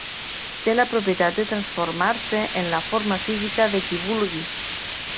Té la propietat de transformar-se en la forma física de qui vulgui.